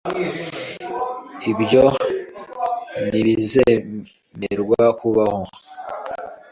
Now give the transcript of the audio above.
Ibyo ntibizemerwa kubaho .